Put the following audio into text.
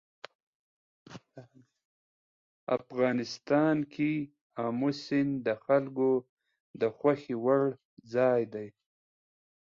افغانستان کې آمو سیند د خلکو د خوښې وړ ځای دی.